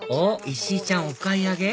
石井ちゃんお買い上げ？